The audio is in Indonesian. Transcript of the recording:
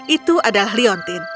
itu adalah leontin